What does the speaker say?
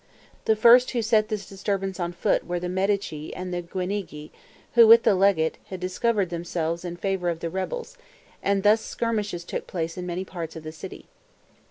The first who set this disturbance on foot were the Medici and the Guinigi, who, with the legate, had discovered themselves in favor of the rebels; and thus skirmishes took place in many parts of the city.